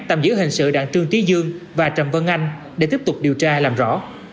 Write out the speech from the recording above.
tạm giữ hình sự đảng trương tý dương và trầm vân anh để tiếp tục điều tra làm rõ